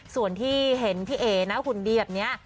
ส่วนที่เห็นพี่เอ๋นะหุ่นดีแบบนี้